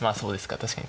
あ確かに。